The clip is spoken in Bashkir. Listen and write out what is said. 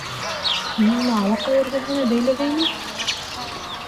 Мин уны Алаҡай эргәһенә бәйләгәйнем.